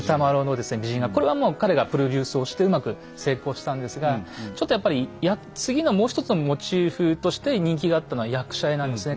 これはもう彼がプロデュースをしてうまく成功したんですがちょっとやっぱり次のもう一つのモチーフとして人気があったのは役者絵なんですね